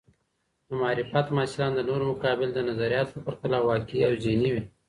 د معرفت محصلان د نورو مقابل د نظریاتو په پرتله واقعي او ذهني وي.